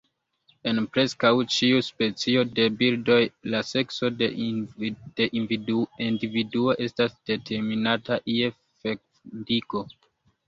En preskaŭ ĉiu specio de birdoj, la sekso de individuo estas determinata je fekundigo.